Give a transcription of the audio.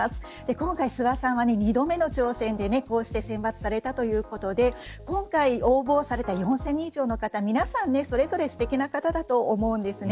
今回、諏訪さんは２度目の挑戦で選抜されたということで今回応募された４０００人以上の方はそれぞれ素敵な方だと思うんです。